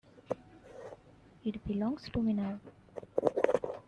It belongs to me now.